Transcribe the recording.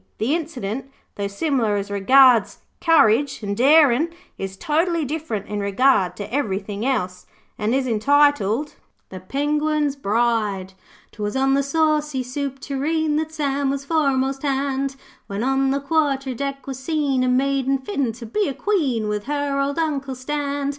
The incident, though similar as regards courage an' darin', is totally different in regard to everythin' else, and is entitled THE PENGUIN'S BRIDE ''Twas on the Saucy Soup Tureen, That Sam was foremast hand, When on the quarter deck was seen A maiding fit to be a Queen With her old Uncle stand.